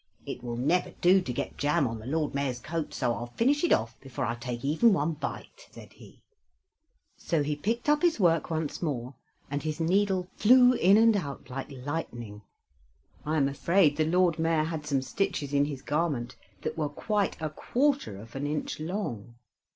"It will never do to get jam on the Lord Mayor's coat, so I'll finish it off before I take even one bite," said he. So he picked up his work once more, and his needle flew in and out like lightning. I am afraid the Lord Mayor had some stitches in his garment that were quite a quarter of an inch long.